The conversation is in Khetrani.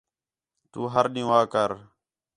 تو ہر ݙِین٘ہوں آ کر